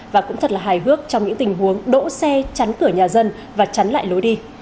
và cũng thật là hài hước trong những tình huống đỗ xe chắn cửa nhà dân và chắn lại lối đi